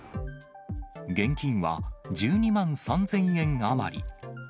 現金は１２万３０００円余り。